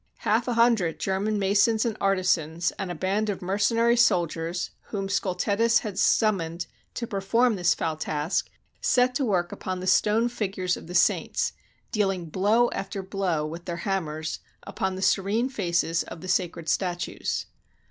Half a hundred German masons and artisans, and a band of mercenary soldiers whom Scultetus had summoned to perform this foul task, set to work upon the stone fig ures of the saints, dealing blow after blow with their hammers upon the serene faces of the sacred statues.